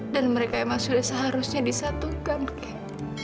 dan mereka emang sudah seharusnya disatukan kak